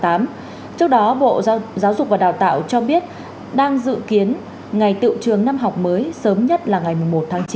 trước đó bộ giáo dục và đào tạo cho biết đang dự kiến ngày tự trường năm học mới sớm nhất là ngày một tháng chín